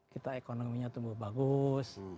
kita ekonominya tumbuh bagus